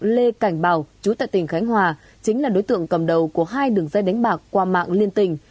lê cảnh bảo chủ tỉnh khánh hòa chính là đối tượng cầm đầu của hai đường dây đánh bạc qua mạng liên tình